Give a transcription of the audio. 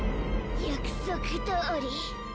約束どおり！